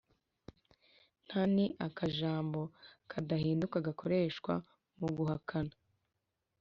Nta ni akajambo kadahinduka gakoreshwa mu guhakana